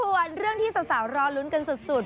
ส่วนเรื่องที่สาวรอลุ้นกันสุด